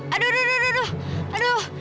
aduh aduh aduh aduh